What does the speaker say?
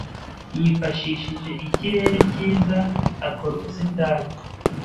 Yifashishije ikirere cyiza akora ubusitani.